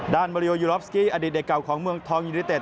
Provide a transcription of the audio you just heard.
มาริโอยูรอฟสกี้อดีตเด็กเก่าของเมืองทองยูนิเต็